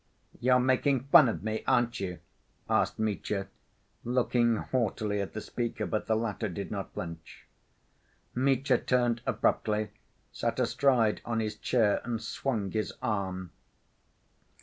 "You're making fun of me, aren't you?" asked Mitya, looking haughtily at the speaker; but the latter did not flinch. Mitya turned abruptly, sat astride on his chair, and swung his arm.